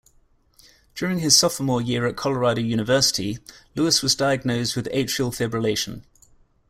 During his sophomore year at Colorado University, Lewis was diagnosed with atrial fibrillation.